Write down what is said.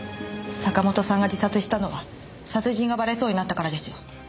坂本さんが自殺したのは殺人がバレそうになったからでしょ？